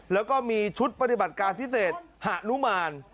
แล้วก็มีชุดปฏิบัติการพิเศษหานุมาน